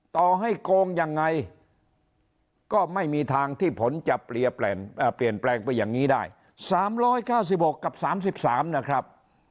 ต่อให้โกงยังไงก็ไม่มีทางที่ผลจะเปลี่ยนแปลงไปอย่างนี้ได้๓๙๖กับ๓๓นะครับ